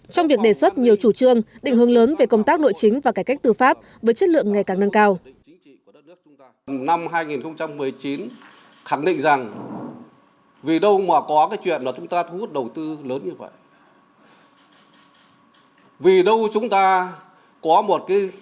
trong việc đề xuất nhiều chủ trương định hướng lớn về công tác nội chính và cải cách tư pháp với chất lượng ngày càng nâng cao